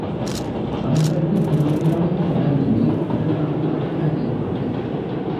அவர்களுக்குப் புரோகிதமும், சடங்குமே பிரதான மதக் காரியமாகும்.